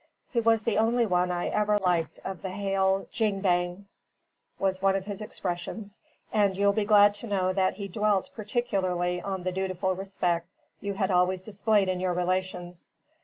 'He was the only one I ever liket of the hale jing bang,' was one of his expressions; and you will be glad to know that he dwelt particularly on the dutiful respect you had always displayed in your relations.